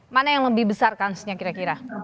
mana yang lebih besar kansnya kira kira